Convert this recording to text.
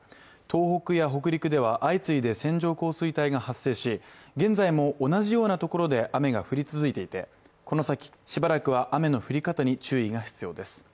東北や北陸では相次いで線状降水帯が発生し現在も同じようなところで雨が降り続いていてこの先、しばらくは雨の降り方に注意が必要です。